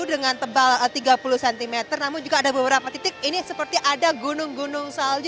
dengan tebal tiga puluh cm namun juga ada beberapa titik ini seperti ada gunung gunung salju